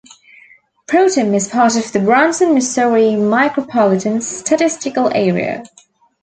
Protem is part of the Branson, Missouri Micropolitan Statistical Area.